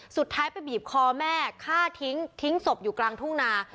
สุดท้ายไปบีบคอแม่ฆ่าทิ้งทิ้งศพอยู่กลางทุ่งนา